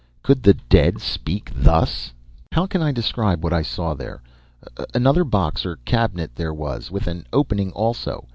Could the dead speak thus? "How can I describe what I saw there? Another box or cabinet there was, with an opening also.